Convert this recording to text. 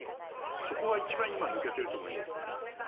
そこが一番、今抜けていると思います。